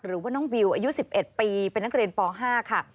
หรือว่าน้องวิวอายุ๑๑ปีเป็นนักเรียนป๕ค่ะ